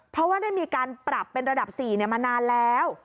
เพราะว่าได้มีการปรับเป็นระดับ๔มานานแล้ว